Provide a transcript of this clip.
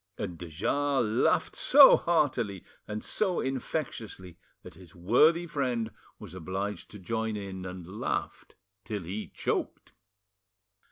And de Jars laughed so heartily and so infectiously that his worthy friend was obliged to join in, and laughed till he choked.